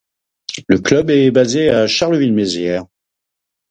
Le club est basé à Charleville-Mézières.